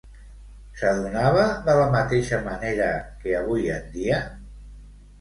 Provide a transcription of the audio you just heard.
S'adonava de la mateixa manera que avui en dia?